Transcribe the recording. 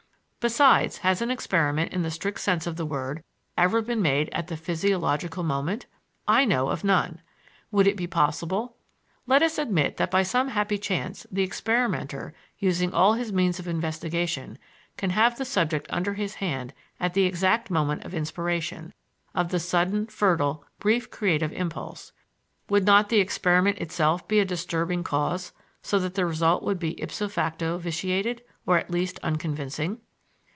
Besides, has an experiment, in the strict sense of the word, ever been made at the "psychological moment"? I know of none. Would it be possible? Let us admit that by some happy chance the experimenter, using all his means of investigation, can have the subject under his hand at the exact moment of inspiration of the sudden, fertile, brief creative impulse would not the experiment itself be a disturbing cause, so that the result would be ipso facto vitiated, or at least unconvincing?